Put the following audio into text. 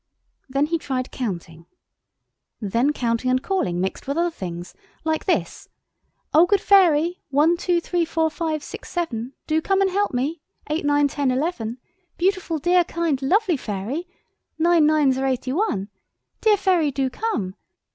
Then he tried counting. Then counting and calling mixed with other things. Like this: "Oh, good Fairy! One two three four five six seven; do come and help me! Eight nine ten eleven! Beautiful, dear, kind, lovely fairy! Nine nines are eighty one! Dear fairy, do come!